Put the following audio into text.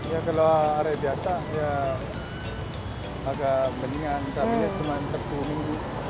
ya kalau area biasa ya agak peningan kita punya sepanjang satu minggu